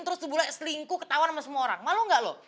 terus tuh bule selingkuh ketahuan sama semua orang